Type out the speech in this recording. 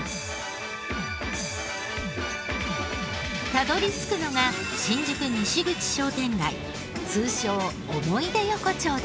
たどり着くのが新宿西口商店街通称思い出横丁です。